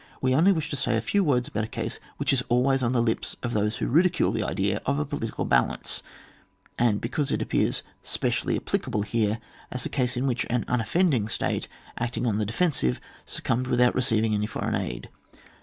We only wish to say a few words about a case which is always on the lips of those who ridicule the idea of a political balance, and because it ap pears specially applicable here as a case in which an unoffending state, acting on the defensive, succumbed without receiv ing any foreign aid.